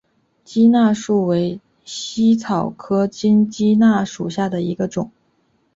鸡纳树为茜草科金鸡纳属下的一个种。